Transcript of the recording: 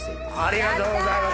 ありがとうございます。